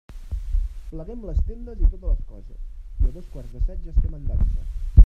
Pleguem les tendes i totes les coses, i a dos quarts de set ja estem en dansa.